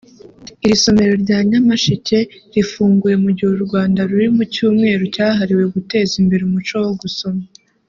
Iri somero rya Nyamasheke rifunguwe mu gihe u Rwanda ruri mu Cyumweru cyahariwe guteza imbere umuco wo gusoma